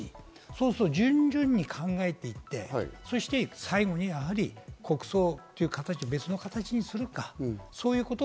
そうすると順々に考えていって、そして最後にやはり国葬という形、別の形にするのか。